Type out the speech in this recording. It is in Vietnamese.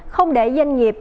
không để doanh nghiệp